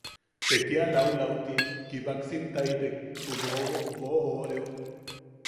Ta kia laulauti kibaksimtaitek ju bobok boʼojooreo.